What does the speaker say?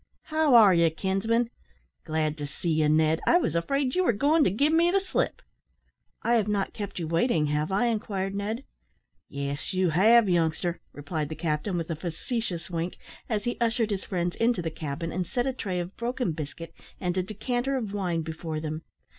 How are ye, kinsman? Glad to see you, Ned. I was afraid you were goin' to give me the slip." "I have not kept you waiting, have I?" inquired Ned. "Yes, you have, youngster," replied the captain, with a facetious wink, as he ushered his friends into the cabin, and set a tray of broken biscuit and a decanter of wine before them.